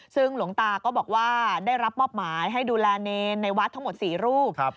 ซึ่งหลวงตาก็บอกว่าได้รับมอบหมายให้ดูแลเนรในวัดทั้งหมด๔รูป